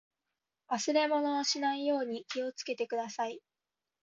忘れ物をしないように気をつけてください。